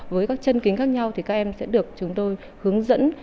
với các chân kính khác nhau thì các em sẽ được chúng tôi hướng dẫn